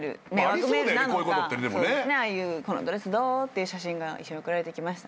「このドレスどう？」って写真が一緒に送られてきました。